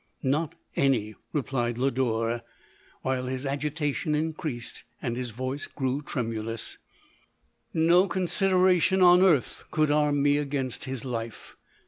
" Not any," replied Lodore, while his agi h 5 154 LODORE. tation increased, and his voice grew tremulous ;" No consideration on earth could arm me against his life.